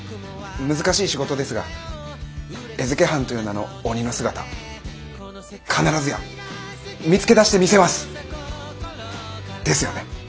難しい仕事ですが餌付け犯という名の鬼の姿必ずや見つけ出してみせます！ですよね？